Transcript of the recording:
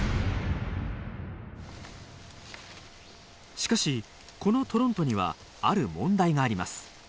しかしこのトロントにはある問題があります。